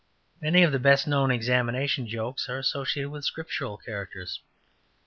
Many of the best known examination jokes are associated with Scriptural characters.